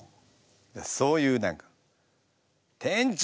いやそういう何か天柱！